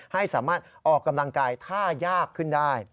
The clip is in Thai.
ให้สามารถออกกำลังกายถ้ายากขึ้นได้